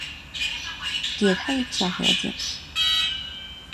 给他一个小盒子